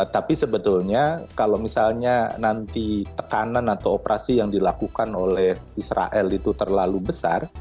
tapi sebetulnya kalau misalnya nanti tekanan atau operasi yang dilakukan oleh israel itu terlalu besar